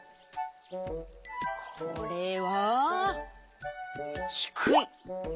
これはひくい。